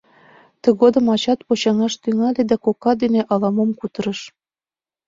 Тыгодым ачат почаҥаш тӱҥале да кока дене ала-мом кутырыш.